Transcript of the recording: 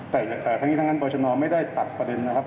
แต่ทั้งนี้ทั้งนั้นบรชนไม่ได้ตัดประเด็นนะครับ